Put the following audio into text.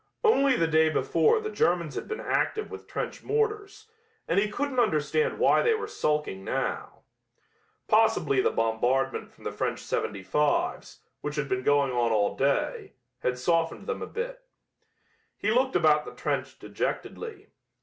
Only the day before the Germans had been active with trench mortars, and he couldn't understand why they were sulking now. Possibly the bombardment from the French .75's, which had been going on all day, had softened them a bit. He looked about the trench dejectedly.